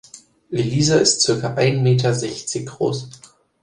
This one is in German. Elisa ist circa ein Meter sechzig groß.